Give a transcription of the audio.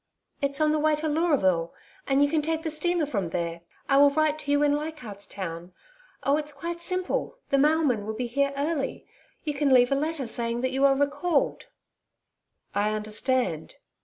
'It's on the way to Leuraville, and you can take the steamer from there. I will write to you in Leichardt's Town. Oh, it's quite simple. The mailman will be here early. You can leave a letter saying that you are recalled.' 'I understand.'